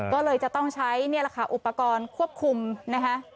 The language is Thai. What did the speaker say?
ก็เลยจะต้องใช้นี่แหละค่ะอุปกรณ์ควบคุมนะคะ